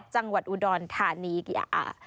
จังหวัดอุดรธานีกริยา